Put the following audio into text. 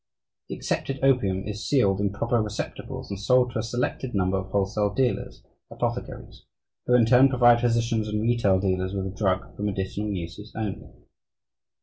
The accepted opium is sealed in proper receptacles and sold to a selected number of wholesale dealers (apothecaries) who in turn provide physicians and retail dealers with the drug for medicinal uses only.